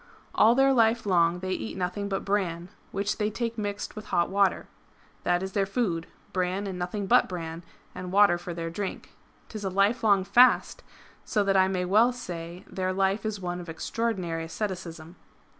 All their life long they eat nothing but bran,^^ which they take mixt with hot water. That is their food : bran, and nothing but bran ; and water for their drink. 'Tis a lifelong fast ! so that I may well say their life is one of extraordinary asceticism.